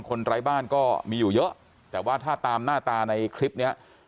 ไร้บ้านก็มีอยู่เยอะแต่ว่าถ้าตามหน้าตาในคลิปเนี้ย